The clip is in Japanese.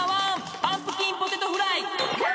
パンプキンポテトフライです。